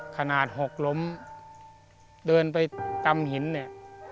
หกล้มเดินไปตำหินเนี่ย